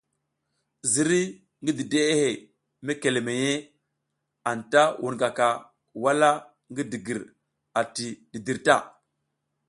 Ziriy ngi dideʼe mekeleleya anta wunkaka wala ngi digir ati dǝdǝr ta.